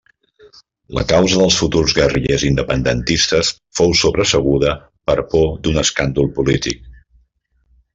La causa dels futurs guerrillers independentistes fou sobreseguda per por d'un escàndol polític.